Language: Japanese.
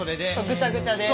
ぐちゃぐちゃで。